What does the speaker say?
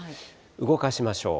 動かしましょう。